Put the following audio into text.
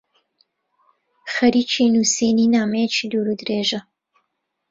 خەریکی نووسینی نامەیەکی دوورودرێژە.